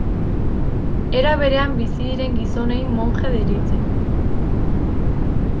Era berean bizi diren gizonei monje deritze.